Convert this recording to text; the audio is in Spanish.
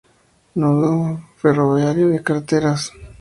Nudo ferroviario y de carreteras.